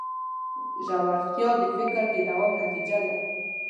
ژورتیا د فکر د دوام نتیجه ده.